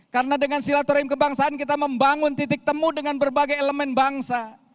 karena dengan silaturahim kebangsaan kita membangun titik temu dengan berbagai elemen bangsa